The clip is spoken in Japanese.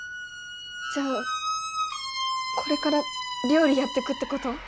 じゃあこれから料理やってくってこと？